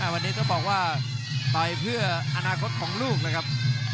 วันนี้ต้องบอกว่าต่อยเพื่ออนาคตของลูกนะครับ